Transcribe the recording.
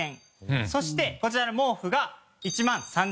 そしてこちらの毛布が１万３０００円。